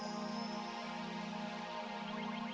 saya udah punya resin yang nggak tebetin lah